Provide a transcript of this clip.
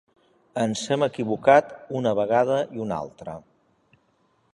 Ens hem equivocat una vegada i una altra..